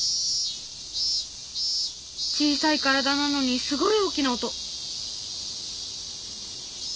小さい体なのにすごい大きな音。